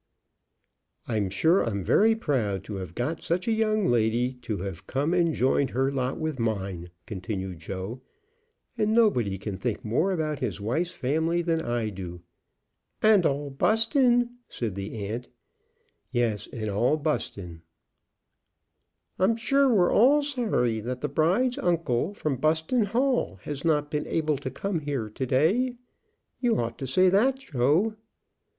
"I'm sure I'm very proud to have got such a young lady to have come and joined her lot with mine," continued Joe; "and nobody can think more about his wife's family than I do." "And all Buston," said the aunt. "Yes, and all Buston." "I'm sure we're all sorry that the bride's uncle, from Buston Hall, has not been able to come here to day. You ought to say that, Joe."